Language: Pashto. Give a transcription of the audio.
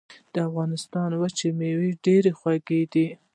د افغانستان وچې مېوې ډېرې خوږې دي.